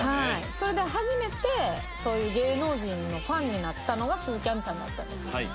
それで初めてそういう芸能人のファンになったのが鈴木あみさんだったんです。